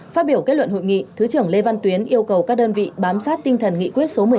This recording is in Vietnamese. phát biểu kết luận hội nghị thứ trưởng lê văn tuyến yêu cầu các đơn vị bám sát tinh thần nghị quyết số một mươi hai